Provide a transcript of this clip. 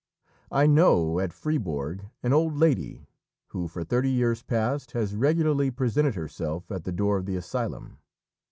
I know at Fribourg an old lady who for thirty years past has regularly presented herself at the door of the asylum.